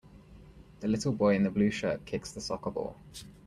The little boy in the blue shirt kicks the soccer ball.